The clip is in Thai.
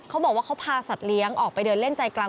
เขาบอกว่าเขาพาสัตว์เลี้ยงออกไปเดินเล่นใจกลาง